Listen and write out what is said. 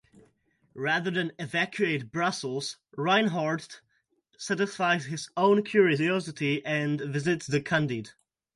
Rather than evacuate Brussels, Reinhardt satisfies his own curiosity and visits the Candide.